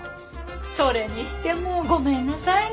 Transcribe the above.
それにしてもごめんなさいね。